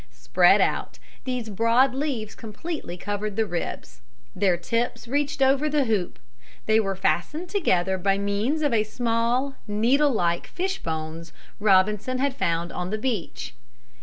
Spread out, these broad leaves completely covered the ribs. Their tips reached over the hoop. They were fastened together by means of small, needle like fish bones Robinson had found on the beach.